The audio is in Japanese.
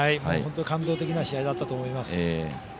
本当に感動的な試合だったと思います。